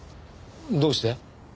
どうして？